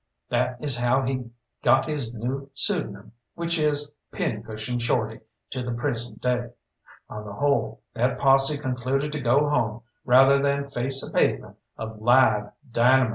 That is how he got his new pseudonym, which is Pincushion Shorty to the present day. On the whole that posse concluded to go home rather than face a pavement of live dynamite.